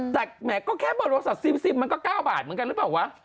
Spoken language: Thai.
แต่แหมก็แค่เบอร์โทรศัพท์ซิมมันก็๙บาทเหมือนกันหรือเปล่าวะ